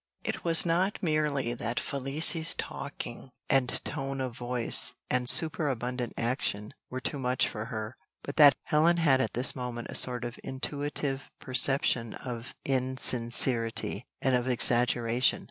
It was not merely that Felicie's talking, and tone of voice, and superabundant action, were too much for her; but that Helen had at this moment a sort of intuitive perception of insincerity, and of exaggeration.